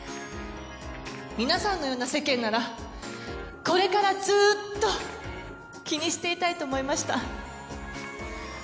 皆さんのような世間ならこれからずっと気にしていたいと思いました。